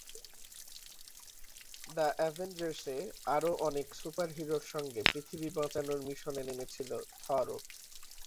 The অ্যাভেঞ্জার্স-এ আরও অনেক সুপারহিরোর সঙ্গে পৃথিবী বাঁচানোর মিশনে নেমেছিল থরও।